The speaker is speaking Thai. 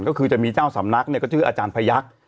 ก็คือจะมีเจ้าสำนักเนี่ยก็ชื่ออาจารย์พยักษ์